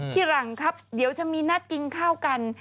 ที่หลังครับเดี๋ยวจะมีนัดกินข้าวกัน